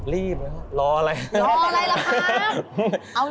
รีบแล้วรออะไร